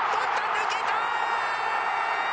抜けた！